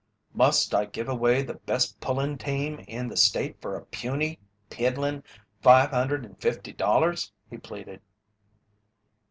"Must I give away the best pullin' team in the State for a puny, piddlin' five hundred and fifty dollars?" he pleaded.